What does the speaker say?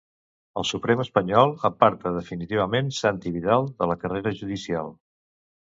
El Suprem espanyol aparta definitivament Santi Vidal de la carrera judicial.